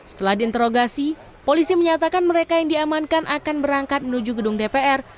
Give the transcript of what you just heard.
setelah diinterogasi polisi menyatakan mereka yang diamankan akan berangkat menuju gedung dpr